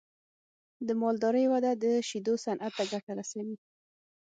د مالدارۍ وده د شیدو صنعت ته ګټه رسوي.